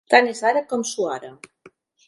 Tant és ara com suara.